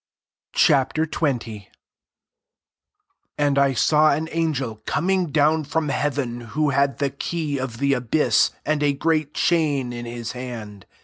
Ch. XX. 1 And I saw an an gel coming down from hea ven, who had the key of the abyss, and a gpreat chain in his hand.